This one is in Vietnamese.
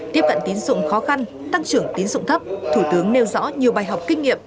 tiếp cận tín dụng khó khăn tăng trưởng tín dụng thấp thủ tướng nêu rõ nhiều bài học kinh nghiệm